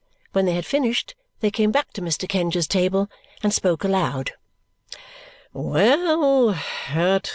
When they had finished, they came back to Mr. Kenge's table and spoke aloud. "Well!